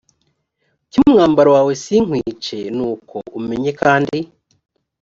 cy umwambaro wawe sinkwice nuko umenye kandi